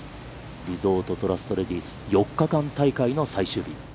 リゾートトラストレディス、４日間大会の最終日。